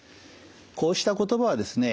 こうした言葉はですね